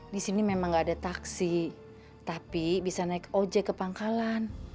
di sini memang gak ada taksi tapi bisa naik ojek ke pangkalan